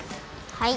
はい。